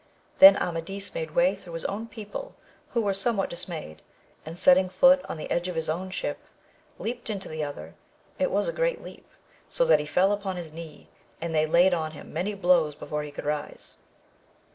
Then Amadis made way tlu'ough his own people who were somewhat dismayed, and setting foot on the edge of his own ship, leaped into the other ; it was a great leap, so that he fell upon his knee, and they laid on him many blows before he could rise.